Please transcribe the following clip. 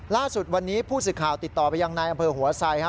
ล่าสุดวันนี้ผู้สื่อข่าวติดต่อไปยังนายอำเภอหัวไซ